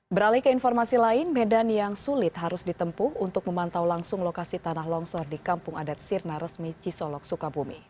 beralih ke informasi lain medan yang sulit harus ditempuh untuk memantau langsung lokasi tanah longsor di kampung adat sirna resmi cisolok sukabumi